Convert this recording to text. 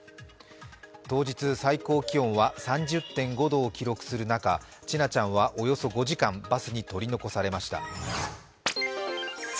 当日、最高気温は３０．５度を記録する中、千奈ちゃんは、およそ５時間バスに取り残されました。